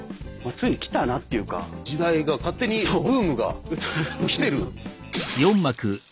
なので時代が勝手にブームが来てる！